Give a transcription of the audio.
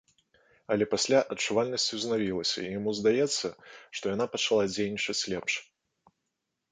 Але пасля адчувальнасць узнавілася, і яму здаецца, што яна пачала дзейнічаць лепш.